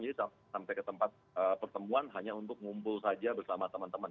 jadi sampai ke tempat pertemuan hanya untuk ngumpul saja bersama teman teman